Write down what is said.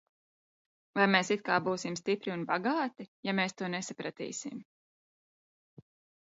Vai mēs it kā būsim stipri un bagāti, ja mēs to nesapratīsim?